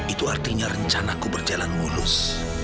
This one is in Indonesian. itu artinya rencanaku berjalan mulus